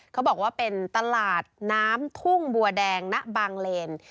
เขาบอกว่าเป็นตลาดน้ำทุ่งบัวแดงณบางเลน